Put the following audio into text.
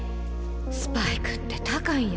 スパイクって高いんやねえ